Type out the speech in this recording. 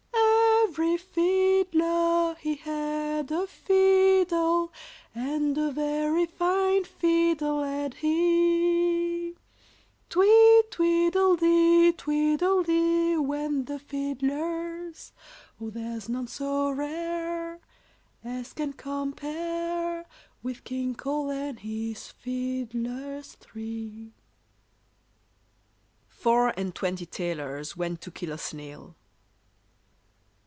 Every fiddler he had a fiddle, And a very fine fiddle had he! Twee tweedle dee, tweedle dee went the fiddlers. Oh, there's none so rare As can compare With King Cole and his fiddlers three! [Illustration: FOUR AND TWENTY TAILORS WENT TO KILL A SNAIL.